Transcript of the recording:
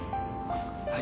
はい。